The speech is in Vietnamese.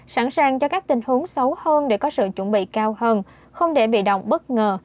sẵn sàng cho các tình huống xấu hơn để có sự chuẩn bị cao hơn không để bị động bất ngờ